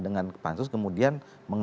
dengan pansus kemudian